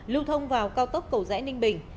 lưu thông vào cao tốc cầu rẽ ninh bình